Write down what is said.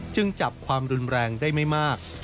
จับความรุนแรงได้ไม่มาก